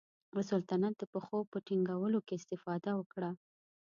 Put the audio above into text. د سلطنت د پښو په ټینګولو کې استفاده وکړه.